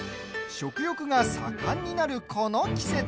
食欲が盛んになる、この季節。